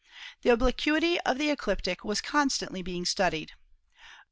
The obliquity of the ecliptic was constantly being studied.